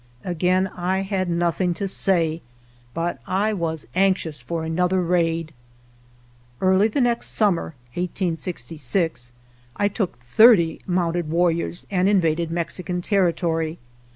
Again I had nothing to say, but I was anx ious for another raid. Early the next summer (1866) I took thirty mounted warriors and invaded Mex ican territory.